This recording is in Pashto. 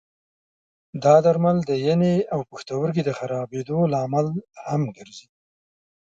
دا درمل د ینې او پښتورګي د خرابېدو لامل هم ګرځي.